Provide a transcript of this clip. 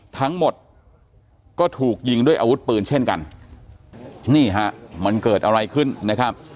ทั้งหมดก็ถูกยิงด้วยอาวุธปืนเช่นกันนี่ฮะมันเกิดอะไรขึ้นนะครับ